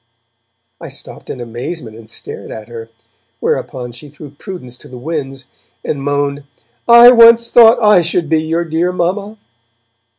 I stopped in amazement and stared at her, whereupon she threw prudence to the winds, and moaned: 'I once thought I should be your dear mamma.'